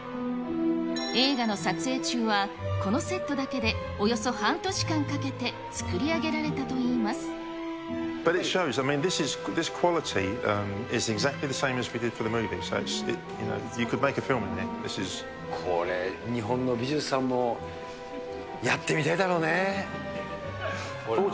映画の撮影中はこのセットだけでおよそ半年間かけて作り上げられこれ、日本の美術さんもやってみたいだろうね。